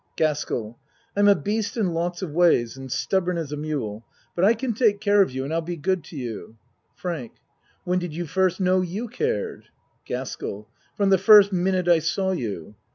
GASKELL I'm a beast in lots of ways and stub born as a mule but I can take care of you and I'll be good to you. FRANK When did you first know you cared? GASKELL From the first minute I saw you.